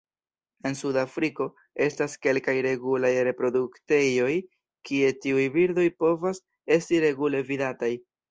En Sudafriko estas kelkaj regulaj reproduktejoj kie tiuj birdoj povas esti regule vidataj.